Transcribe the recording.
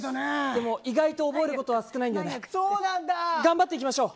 でも、意外と覚えることは少ないんだよね。